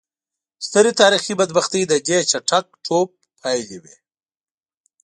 سترې تاریخي بدبختۍ د دې چټک ټوپ پایلې وې.